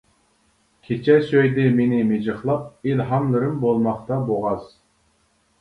كېچە سۆيدى مېنى مىجىقلاپ، ئىلھاملىرىم بولماقتا بوغاز.